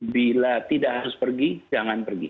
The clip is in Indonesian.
bila tidak harus pergi jangan pergi